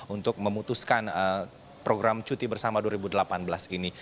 untuk memutuskan program cuti bersama dua ribu delapan belas ini